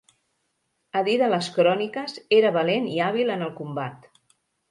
A dir de les cròniques, era valent i hàbil en el combat.